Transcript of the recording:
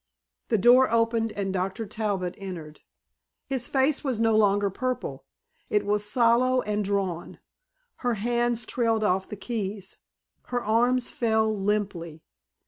The door opened and Dr. Talbot entered. His face was no longer purple. It was sallow and drawn. Her hands trailed off the keys, her arms fell limply.